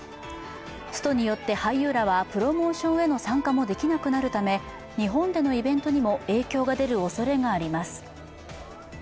ストによって俳優らはプロモーションへの参加もできなくなるため日本でのイベントにも影響が出るおそれがあります。